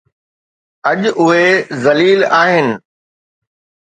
اڄ اهي ذليل آهن.